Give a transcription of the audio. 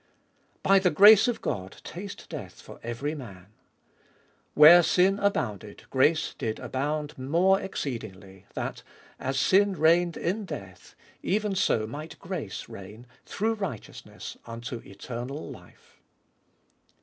3. " By the grace of God taste death for every man. "" Where sin abounded, grace did abound more exceedingly, that, as sin reigned in death, even so might grace reign through righteousness unto eternal life."